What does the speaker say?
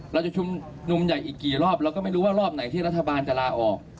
เราจะชุมนุมใหญ่อีกกี่รอบเราก็ไม่รู้ว่ารอบไหนที่รัฐบาลจะลาออก